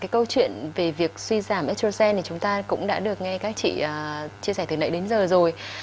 câu chuyện về việc suy giảm essrocen thì chúng ta cũng đã được nghe các chị chia sẻ từ nãy đến giờ rồi